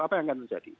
apa yang akan terjadi